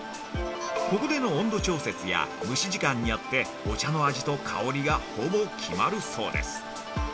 ここでの温度調節や蒸し時間によって「お茶の味」と「香り」がほぼ決まるそうです。